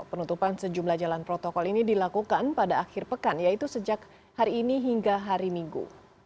penutupan sejumlah jalan protokol ini dilakukan pada akhir pekan yaitu sejak hari ini hingga hari minggu